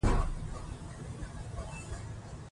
راتلونکی زموږ دی.